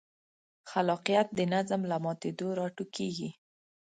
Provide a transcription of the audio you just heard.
خلاقیت د نظم له ماتېدو راټوکېږي.